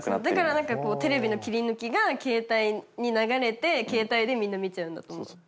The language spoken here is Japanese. だから何かこうテレビの切り抜きが携帯に流れて携帯でみんな見ちゃうんだと思う。